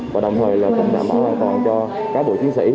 và đồng thời là cũng đảm bảo an toàn cho cán bộ chiến sĩ